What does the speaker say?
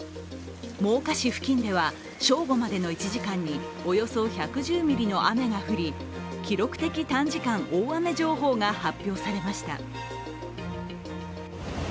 真岡市付近では正午までの１時間におよそ１１０ミリの雨が降り記録的短時間大雨情報が発表されました。